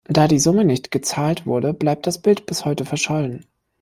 Da die Summe nicht gezahlt wurde, bleibt das Bild bis heute verschollen.